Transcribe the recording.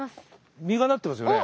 実がなってますよね？